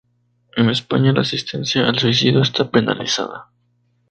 En España, la asistencia al suicidio está penalizada.